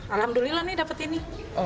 alhamdulillah nih dapet ini